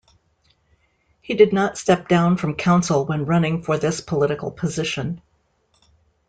He did not step down from council when running for this political position.